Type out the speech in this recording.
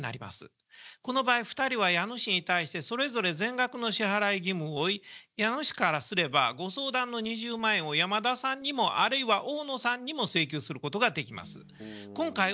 この場合２人は家主に対してそれぞれ全額の支払い義務を負い家主からすればご相談の２０万円を山田さんにもあるいは大野さんにも請求することができます。